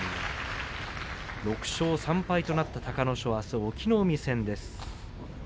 ６勝３敗となった隆の勝あすは隠岐の海戦です。